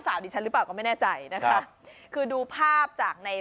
ดิฉันหรือเปล่าก็ไม่แน่ใจนะคะคือดูภาพจากใน